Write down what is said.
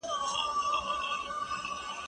زه له سهاره کتابتون ته راځم؟